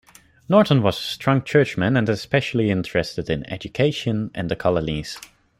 Norton was a strong churchman and especially interested in education and the colonies.